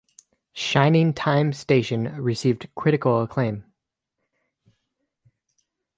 "Shining Time Station" received critical acclaim.